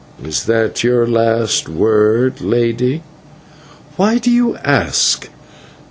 "Is that your last word, Lady?" "Why do you ask?"